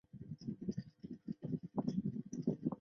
翘腹希蛛为球蛛科希蛛属的动物。